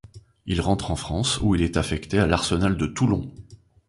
Il rentre en France où il est affecté à l'arsenal de Toulon.